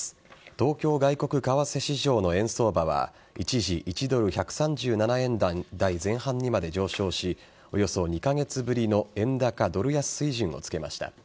東京外国為替市場の円相場は一時１ドル１３７円台前半にまで上昇しおよそ２カ月ぶりの円高ドル安水準を付けました。